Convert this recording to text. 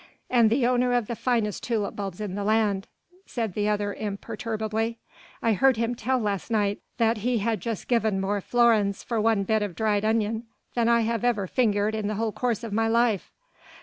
"And the owner of the finest tulip bulbs in the land," said the other imperturbably. "I heard him tell last night that he had just given more florins for one bit of dried onion than I have ever fingered in the whole course of my life."